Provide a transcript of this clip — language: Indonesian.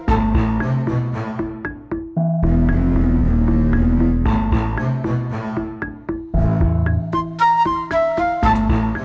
ibu benar benar senang